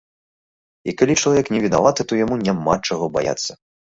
І калі чалавек не вінаваты, то яму няма чаго баяцца.